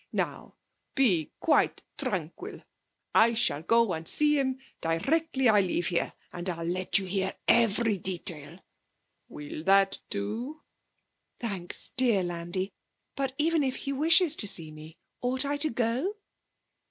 'Now, be quite tranquil. I shall go and see him directly I leave here, and I'll let you hear every detail. Will that do?' 'Thanks, dear Landi!... But even if he wishes to see me, ought I to go?'